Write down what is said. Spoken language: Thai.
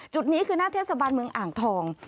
จุดนี้คือหน้าเทศบาลเมืองอ่างทอง